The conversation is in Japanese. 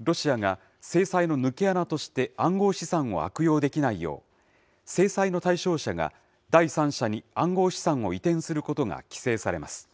ロシアが制裁の抜け穴として暗号資産を悪用できないよう、制裁の対象者が第三者に暗号資産を移転することが規制されます。